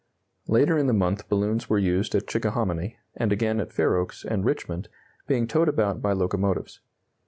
Later in the month balloons were used at Chickahominy, and again at Fair Oaks and Richmond, being towed about by locomotives.